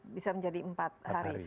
bisa menjadi empat hari